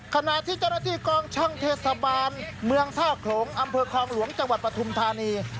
ขณะที่เจ้าหน้าที่กองช่างเทศบาลเมืองท่าโขลงอำเภอคลองหลวงจังหวัดปฐุมธานี